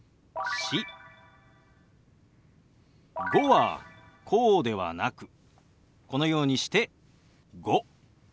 「５」はこうではなくこのようにして「５」。